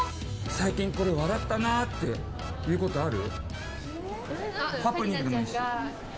最近これ笑ったなっていうことある？